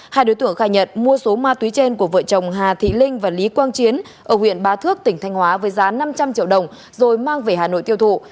hai đối tượng khai nhận mua số ma túy trên của vợ chồng hà thị linh và lý quang chiến ở huyện ba thước tỉnh thanh hóa với giá năm trăm linh triệu đồng rồi mang về hà nội tiêu thụ